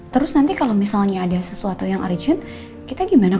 terus nanti kalau misalnya ada sesuatu yang origin kita gimana kok ngajuin